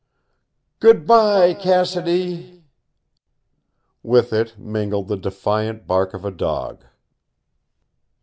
"Goodby, Cassidy!" With it mingled the defiant bark of a dog.